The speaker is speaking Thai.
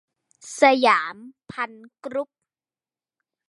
สยามภัณฑ์กรุ๊ป